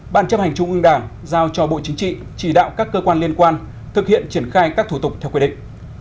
bàn chấp hành trung ương đảng giao cho bộ chính trị chỉ đạo các cơ quan liên quan thực hiện triển khai các thủ tục theo quy định